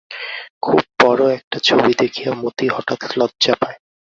খুব বড় একটা ছবি দেখিয়া মতি হঠাৎ লজ্জা পায়।